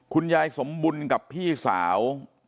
คุณยายสมบุญกับพี่สาว